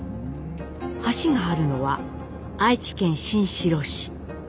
橋があるのは愛知県新城市。